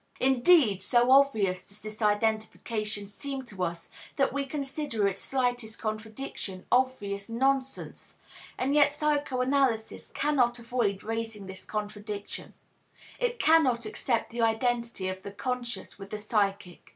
Indeed, so obvious does this identification seem to us that we consider its slightest contradiction obvious nonsense, and yet psychoanalysis cannot avoid raising this contradiction; it cannot accept the identity of the conscious with the psychic.